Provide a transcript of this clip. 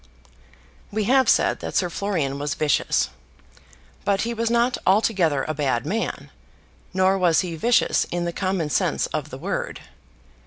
We have said that Sir Florian was vicious; but he was not altogether a bad man, nor was he vicious in the common sense of the word.